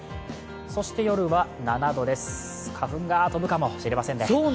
そして夜は７度です、花粉が飛ぶかもしれませんね。